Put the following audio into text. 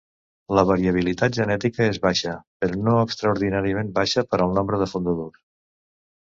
La variabilitat genètica és baixa, però no extraordinàriament baixa per al nombre de fundadors.